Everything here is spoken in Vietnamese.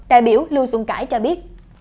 đại biểu lưu xuân cải cho biết